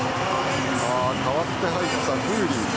代わって入ったフーリー